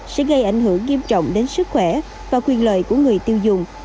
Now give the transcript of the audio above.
sẽ gây ảnh hưởng nghiêm trọng đến sức khỏe và quyền lợi của người tiêu dùng